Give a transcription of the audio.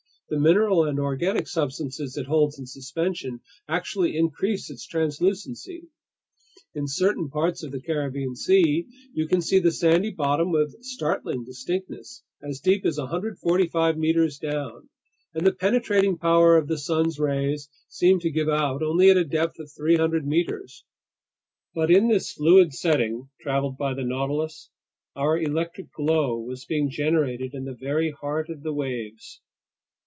The mineral and organic substances it holds in suspension actually increase its translucency. In certain parts of the Caribbean Sea, you can see the sandy bottom with startling distinctness as deep as 145 meters down, and the penetrating power of the sun's rays seems to give out only at a depth of 300 meters. But in this fluid setting traveled by the Nautilus, our electric glow was being generated in the very heart of the waves.